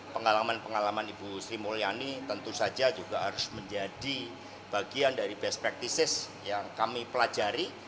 pengalaman pengalaman ibu sri mulyani tentu saja juga harus menjadi bagian dari best practices yang kami pelajari